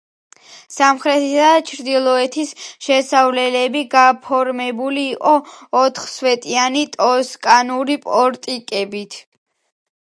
სამხრეთისა და ჩრდილოეთის შესასვლელები გაფორმებული იყო ოთხსვეტიანი ტოსკანური პორტიკებით.